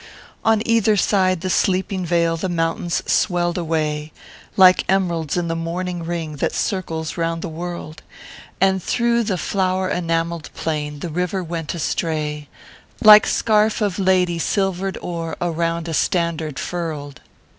On either side the sleeping vale the mountains swelled away, Like em ralds in the mourning ring that circles round the world And through the flow r euamel d plain the river went astray, Like scarf of lady silver d o er around a standard furled.